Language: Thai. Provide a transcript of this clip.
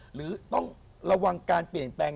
หรือต้องระวังการเปลี่ยนแปลง